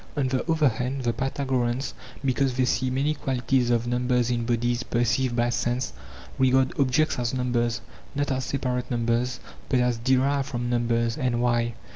On the other hand the Pytha goreans, because they see many qualities of numbers in bodies perceived by sense, regard objects as numbers, not as separate numbers, but as derived from numbers. And why